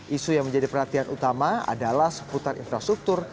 isu yang menjadi perhatian utama adalah seputar infrastruktur